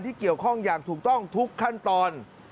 เกี่ยวข้องอย่างถูกต้องทุกขั้นตอน